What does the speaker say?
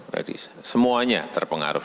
jadi semuanya terpengaruh